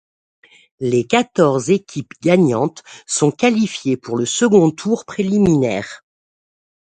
Les quatorze équipes gagnantes sont qualifiées pour le second Tour préliminaire.